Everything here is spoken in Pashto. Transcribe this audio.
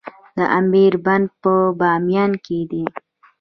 د امیر بند په بامیان کې دی